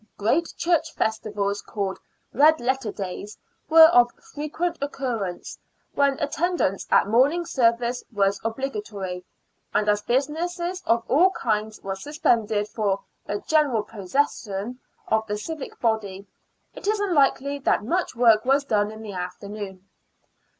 Great church festivals, called Red Letter Days, were of frequent occurrence, when attendance at morning service was obligatory, and as business of all kinds was suspended for " a general procession " of the civic body, it is unlikely that much work was done in the afternoon.